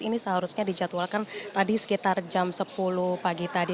ini seharusnya dijadwalkan tadi sekitar jam sepuluh pagi tadi